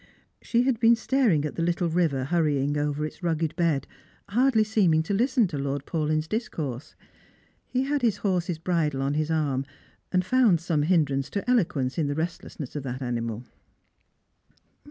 She had been Btaring at the little river hurrying over its rugged bed, hardly eeemiiif to listen to Lord Paulyn's discourse. He had his 254 Strangere and Pilgrims. horse's bridle on his arm, and found some hindrance to eloquence in the restlessness of that animal.